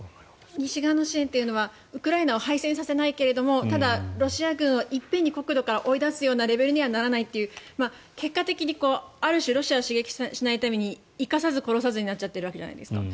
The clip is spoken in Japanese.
西側の支援というのはウクライナを敗戦させないけれどもただロシア軍を一遍に国土から追い出すレベルにはならないという結果的に、ある種ロシアを刺激しないために生かさず殺さずになっちゃってるわけじゃないですか。